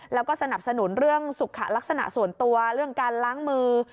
แล้วก็สนับสนุนเรื่องสุขลักษณะส่วนตัวเรื่องการล้างมือ